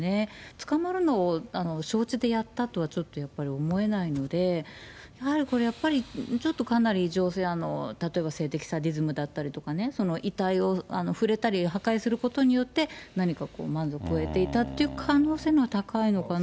捕まるのを承知でやったとはちょっとやっぱり思えないので、やはりこれ、やっぱりかなり異常性、例えば性的サディズムだったり、遺体を触れたり破壊することによって、何か満足を得ていたって可能性のほうが高いのかな。